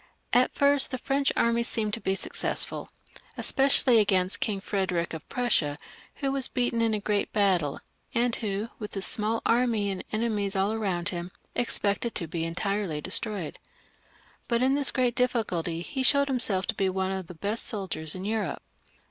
At first the French armies seemed to be successful, especially against King Frederick of Prussia, who was beaten in a great battle, and who, with his small army and enemies all around him, expected to be entirely de stroyed. But in this great difficulty he showed himself to be one of the best soldiers in Europe.